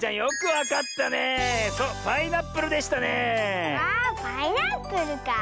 わあパイナップルか。